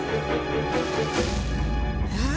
ああ！